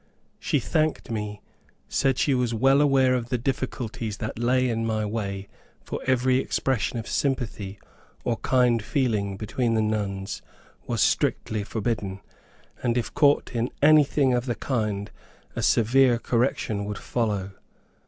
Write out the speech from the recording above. She thanked me; said she was well aware of the difficulties that lay in my way, for every expression of sympathy or kind feeling between the nuns was strictly forbidden, and if caught in anything of the kind a severe correction would follow.